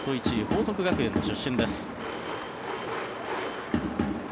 報徳学園の出身です。